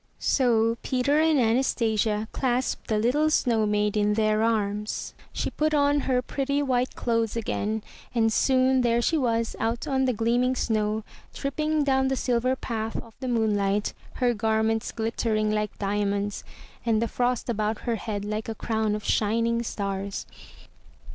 So Peter and Anastasia clasped the little snow maid in their arms; she put on her pretty white clothes again, and soon there she was out on the gleaming snow, tripping down the silver path of the moonlight, her garments glittering like diamonds, and the frost about her head like a crown of shining stars.